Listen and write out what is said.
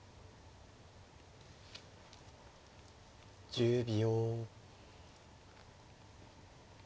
１０秒。